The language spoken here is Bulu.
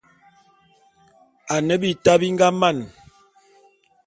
Ane bita bi nga man.